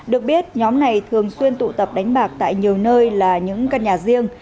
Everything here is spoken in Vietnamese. được biết nhóm này thường xuyên tụ tập đánh bạc tại nhiều nơi là những căn nhà riêng